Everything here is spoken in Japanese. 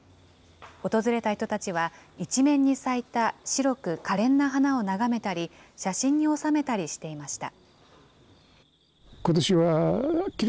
訪れた人たちは、一面に咲いた白くかれんな花を眺めたり、写真に収めたりしていました。